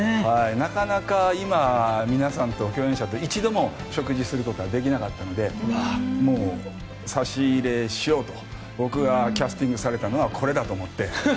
なかなか今皆さん、共演者と一度も食事することはできなかったので差し入れしようと僕がキャスティングされたのはこれだと思って。